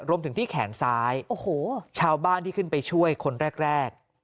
รวมถึงที่แขนซ้ายชาวบ้านที่ขึ้นไปช่วยคนแรก